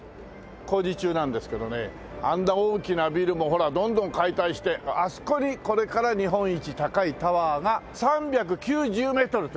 工事中なんですけどねあんな大きなビルもほらどんどん解体してあそこにこれから日本一高いタワーが３９０メートルという。